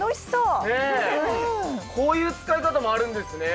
こういう使い方もあるんですね。